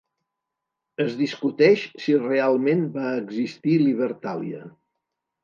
Es discuteix si realment va existir Libertàlia.